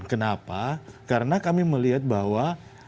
kenapa karena kami melihat bahwa